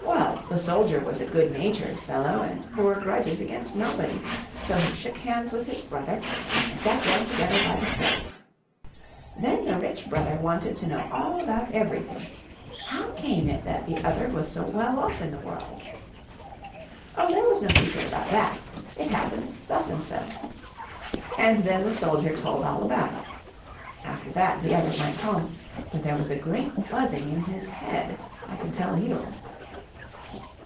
Well, the soldier was a good natured fellow, and bore grudges against nobody, so he shook hands with his brother, and they sat down together by the stove. Then the rich brother wanted to know all about everything — how came it that the other was so well off in the world ? Oh, there was no secret about that ; it happened thus and so. And then the soldier told all about it. After that the other went home, but there was a great buzzing in his head, I can tell you